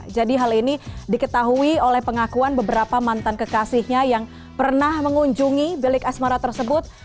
jadi hal ini diketahui oleh pengakuan beberapa mantan kekasihnya yang pernah mengunjungi bilik asmara tersebut